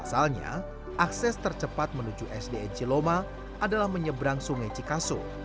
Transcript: pasalnya akses tercepat menuju sdn ciloma adalah menyeberang sungai cikaso